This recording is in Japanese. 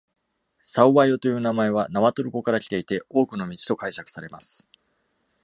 Sahuayo という名前は、ナワトル語からきていて、多くの道と解釈されます。